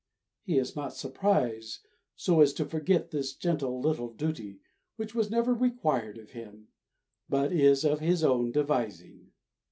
He is not surprised so as to forget this gentle little duty, which was never required of him, but is of his own devising.